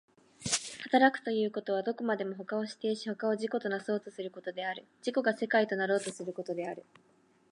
働くということは、どこまでも他を否定し他を自己となそうとすることである、自己が世界となろうとすることである。